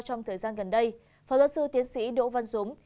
trong thời gian gần đây phó giáo sư tiến sĩ đỗ văn dũng